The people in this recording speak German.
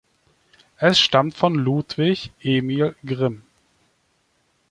Es stammt von Ludwig Emil Grimm.